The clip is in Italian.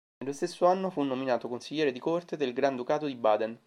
Nello stesso anno fu nominato consigliere di corte del Granducato di Baden.